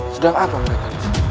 sudah apa mengenainya